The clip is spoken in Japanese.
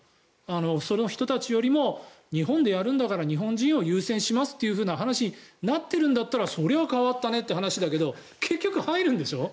その人たちよりも日本でやるんだから日本人を優先しますっていう話になっているんだったらそれは変わったねという話だけど結局入るんでしょ？